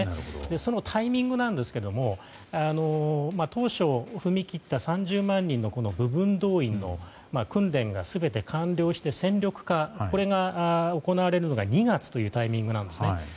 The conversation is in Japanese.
そのタイミングなんですけれども当初、踏み切った３０万人のこの部分動員の訓練が全て完了して戦力化が行われるのが２月というタイミングなんですね。